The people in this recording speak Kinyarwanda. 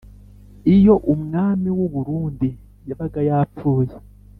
iyo umwami w’u burundi yabaga yapfuye